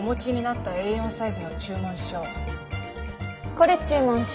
これ注文書。